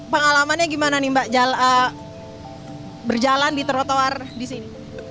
pengalamannya gimana nih mbak berjalan di trotoar di sini